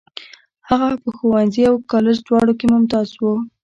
هغه په ښوونځي او کالج دواړو کې ممتاز و.